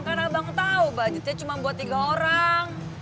karena bang tahu budgetnya cuma buat tiga orang